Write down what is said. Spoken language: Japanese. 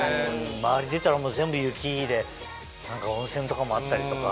周り出たら全部雪で何か温泉とかもあったりとか。